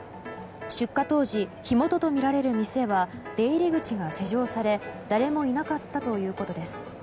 出火当時、火元とみられる店は出入り口が施錠され誰もいなかったということです。